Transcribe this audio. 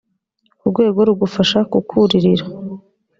urwego rugufasha kukurira.